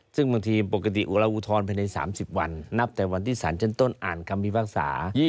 ซึ่งบางทีปกติเราอุทธรณ์ไปใน๓๐วันนับแต่วันที่ศาลเช่นต้นอ่านกรรมภาษา